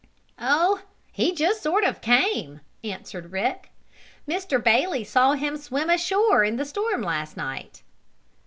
"Oh, he just sort of came," answered Rick. "Mr. Bailey saw him swim ashore in the storm last night."